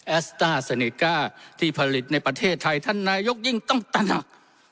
สต้าเซเนก้าที่ผลิตในประเทศไทยท่านนายกยิ่งต้องตระหนัก